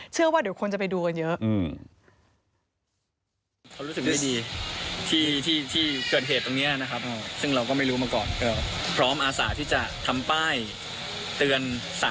ว่าเดี๋ยวคนจะไปดูกันเยอะ